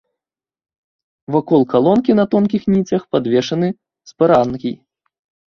Вакол калонкі на тонкіх ніцях падвешаны спарангій.